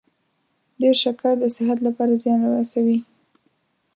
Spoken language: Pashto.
ډیر شکر د صحت لپاره زیان رسوي.